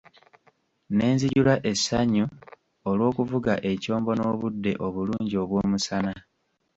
Ne nzijula essanyu olw'okuvuga ekyombo n'obudde obulungi obw'omusana.